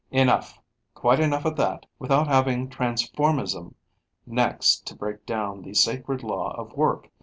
Enough, quite enough of that, without having transformism next to break down the sacred law of work.